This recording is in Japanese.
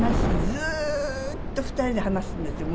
ずーっと２人で話すんですよ